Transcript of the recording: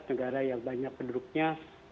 negara yang banyak penduduknya